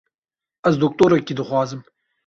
Ez doktorekî dixwazim.